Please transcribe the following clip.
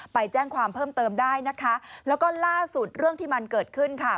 ไปแจ้งความเพิ่มเติมได้นะคะแล้วก็ล่าสุดเรื่องที่มันเกิดขึ้นค่ะ